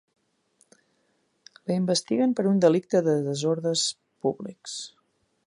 La investiguen per un delicte de desordres públics.